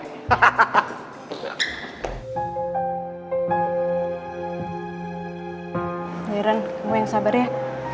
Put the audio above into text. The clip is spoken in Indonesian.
heran kamu yang sabar ya